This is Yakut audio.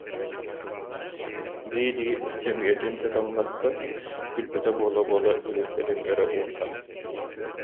дии-дии сөмүйэтин чочоҥнотто, күлбүтэ буола-буола үрүүмкэтин өрө уунна